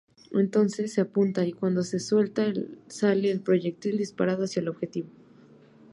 Entonces se apunta y cuando se suelta sale el proyectil disparado hacia el objetivo.